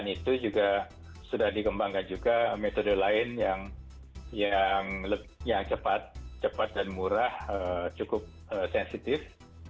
itu juga sudah dikembangkan juga metode lain yang cepat cepat dan murah cukup sensitif